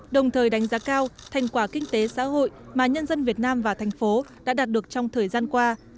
đồng thời đánh giá cao thành quả kinh tế xã hội mà nhân dân việt nam và thành phố đã đạt được trong thời gian qua